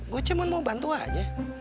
gue cuma mau bantu aja